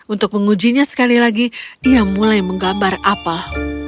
untuk mengujinya sekali lagi dia mulai menggambar apa